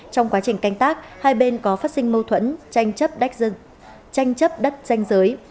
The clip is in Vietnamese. trong quá trình canh tác hai bên có phát sinh mâu thuẫn tranh chấp đất danh giới